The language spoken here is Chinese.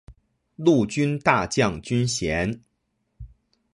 陆军大将军衔。